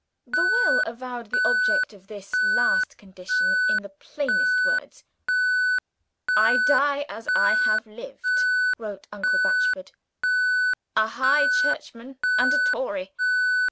The will avowed the object of this last condition in the plainest words. "I die as I have lived" (wrote uncle Batchford), "a High Churchman and a Tory.